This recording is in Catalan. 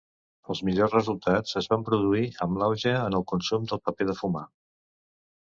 Els millors resultats es van produir amb l'auge en el consum del paper de fumar.